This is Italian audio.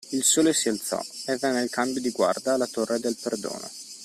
Il Sole si alzò, e venne il cambio di guarda alla Torre del Perdono.